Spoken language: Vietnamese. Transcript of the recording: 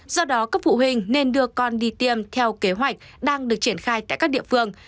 do đó các phụ huynh nên đưa con đi tiêm theo kế hoạch đang được triển khai tại các địa phương